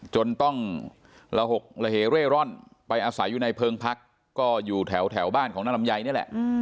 จนต้องระหกระเหเร่ร่อนไปอาศัยอยู่ในเพิงพักก็อยู่แถวบ้านของนางลำไยนี่แหละ